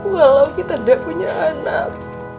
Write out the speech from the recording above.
walau kita tidak punya anak